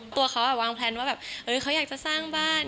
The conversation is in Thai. ตัวเขาวางแพลนว่าแบบเขาอยากจะสร้างบ้าน